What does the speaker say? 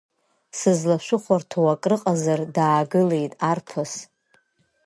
Сызлашәыхәарҭоу акрыҟазар, даагылеит арԥыс.